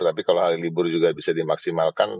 tapi kalau hari libur juga bisa dimaksimalkan